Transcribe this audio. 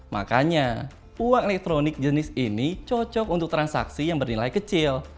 makanya uang elektronik jenis ini cocok untuk transaksi yang bernilai kecil